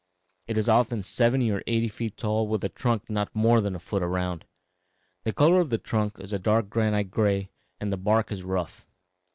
It is often seventy or eighty feet tall, with a trunk not more than a foot around. The color of the trunk is a dark granite gray and the bark is rough.